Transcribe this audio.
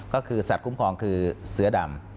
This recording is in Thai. ก็คือสัตว์คุ้มครองคือเสือดำ